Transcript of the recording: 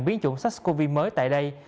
biến chủng sars cov mới tại đây